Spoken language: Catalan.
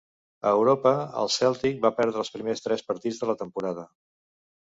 A Europa, el Celtic va perdre els primers tres partits de la temporada.